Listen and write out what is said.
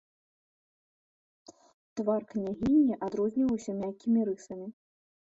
Твар княгіні адрозніваўся мяккімі рысамі.